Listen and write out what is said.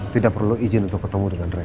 tidak perlu izin untuk ketemu dengan rakyat